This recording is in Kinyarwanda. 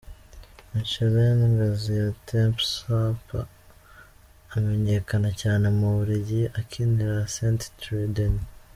Mechelen, Gaziantepspor, amenyekana cyane mu Bubiligi akinira Sint-Truiden.